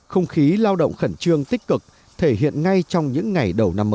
không khí lao động khẩn trương tích cực thể hiện ngay trong những ngày đầu năm mới